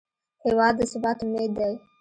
هېواد د ثبات امید دی.